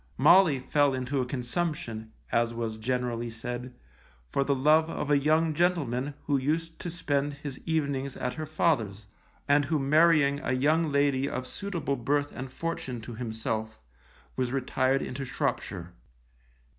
Molly fell into a consumption, as was generally said, for the love of a young gentleman who used to spend his evenings at her father's, and who marrying a young lady of suitable birth and fortune to himself, was retired into Shropshire.